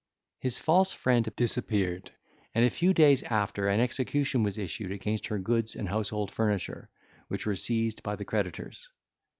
His false friend disappeared; and a few days after an execution was issued against her goods and household furniture, which were seized by the creditors.